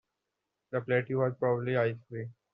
The plateau was probably ice-free.